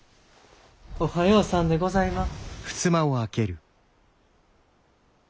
おはようさんでございます。